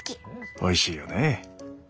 おいしいよね。